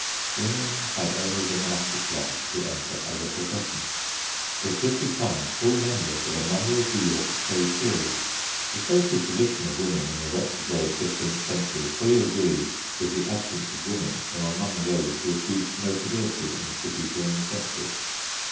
Women had only the monastic life to enter as a profession. They could become full members of a number of the York trade guilds. The social position of women in the retrograde fifteenth century fully agrees with the absence of women from among those who achieved notability in the city during the century.